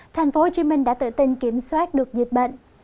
tp hcm đã tự tin kiểm soát được dịch bệnh